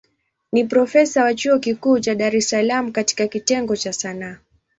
Ni profesa wa chuo kikuu cha Dar es Salaam katika kitengo cha Sanaa.